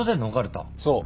そう。